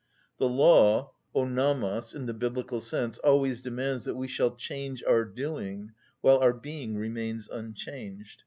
The law, ὁ νομος, in the Biblical sense, always demands that we shall change our doing, while our being remains unchanged.